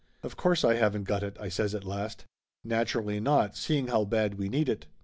"Of course I haven't got it !" I says at last. "Nat urally not, seeing how bad we need it !"